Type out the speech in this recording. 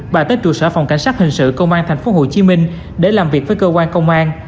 bà tới trụ sở phòng cảnh sát hình sự công an tp hcm để làm việc với cơ quan công an